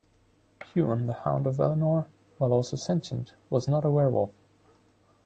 Huan the Hound of Valinor, while also sentient, was not a werewolf.